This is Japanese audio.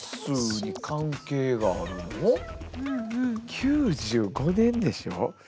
９５年でしょ。